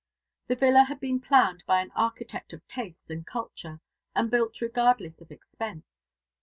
The villa had been planned by an architect of taste and culture, and built regardless of expense.